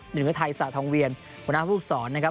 หนึ่งก็ไทยสถเวียนหัวหน้าภูกษรนะครับ